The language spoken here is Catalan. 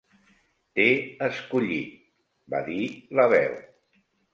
"T'he escollit", va dir la Veu.